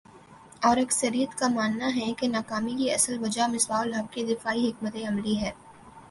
اور اکثریت کا ماننا ہے کہ ناکامی کی اصل وجہ مصباح الحق کی دفاعی حکمت عملی ہے